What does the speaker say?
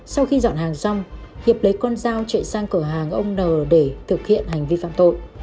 sau khi dọn hàng xong hiệp lấy con dao chạy sang cửa hàng ông n để thực hiện hành vi phạm tội